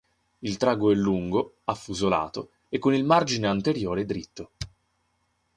Il trago è lungo, affusolato e con il margine anteriore dritto.